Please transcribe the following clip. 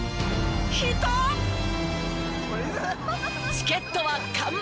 チケットは完売。